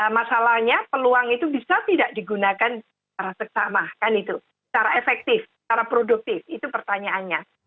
masalahnya peluang itu bisa tidak digunakan secara seksama kan itu secara efektif secara produktif itu pertanyaannya